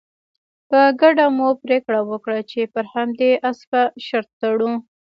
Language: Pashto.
په ګډه مو پرېکړه وکړه چې پر همدې اس به شرط تړو.